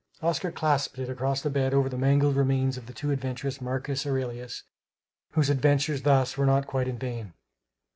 Oscar clasped it across the bed over the mangled remains of the too adventurous Marcus Aurelius, whose adventures, thus, were not quite in vain.